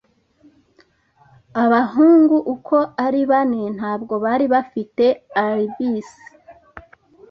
Abahungu uko ari bane ntabwo bari bafite alibis.